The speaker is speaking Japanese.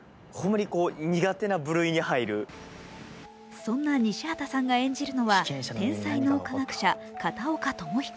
そんな西畑さんが演じるのは天才脳科学者・片岡友彦。